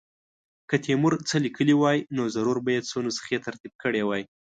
که تیمور څه لیکلي وای نو ضرور به یې څو نسخې ترتیب کړې وای.